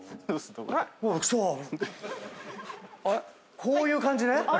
こういう感じね。